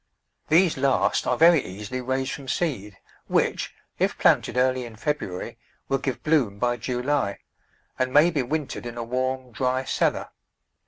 These last are very easily raised from seed, which, if planted early in February, will give bloom by July, and may be wintered in a warm, dry cellar.